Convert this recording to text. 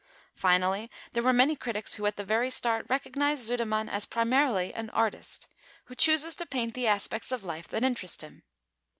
Finally, there were many critics who at the very start recognised Sudermann as primarily an artist, who chooses to paint the aspects of life that interest him.